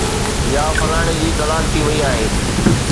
يا فلاڻي جي طلاق ٿي وئي آهي